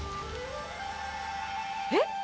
えっ？